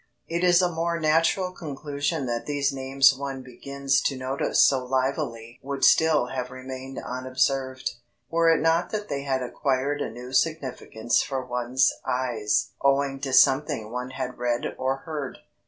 It is a more natural conclusion that these names one begins to notice so livelily would still have remained unobserved, were it not that they had acquired a new significance for one's eyes owing to something one had read or heard.